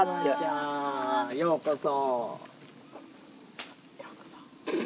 ようこそ。